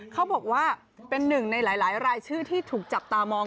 เขาบอกว่าเป็นหนึ่งในหลายรายชื่อที่ถูกจับตามอง